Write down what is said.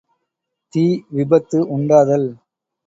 தீ விபத்து உண்டாதல்.